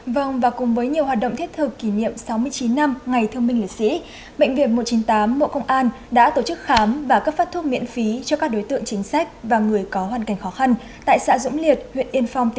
vâng và cùng với nhiều hoạt động thiết thực kỷ niệm sáu mươi chín năm ngày thương minh liệt sĩ bệnh viện một trăm chín mươi tám bộ công an đã tổ chức khám và cấp phát thuốc miễn phí cho các đối tượng chính sách và người có hoàn cảnh khó khăn tại xã dũng liệt huyện yên phong